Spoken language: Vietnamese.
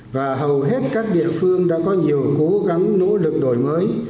và hầu hết các địa phương đã có nhiều cố gắng nỗ lực đổi mới